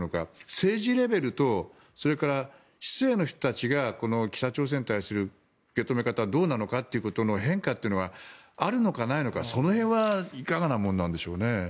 政治レベルとそれから市井の人たちが北朝鮮に対する受け止め方どうなのかっていう変化はあるのかないのか、その辺はいかがなものなんでしょうかね。